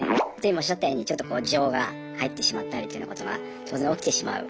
今おっしゃったようにちょっと情が入ってしまったりというようなことは当然起きてしまう。